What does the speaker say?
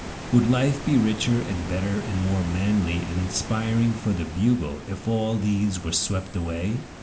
Would life be richer and better and more manly and inspiring for the Bugle if all these were swept away?